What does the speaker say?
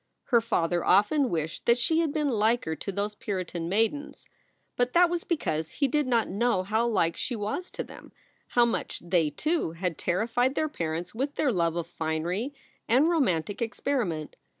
Her father often wished that she had been liker to those Puritan maidens. But that was because he did not know how like she was to them, how much they, too, had terrified their parents with their love of finery and romantic experiment.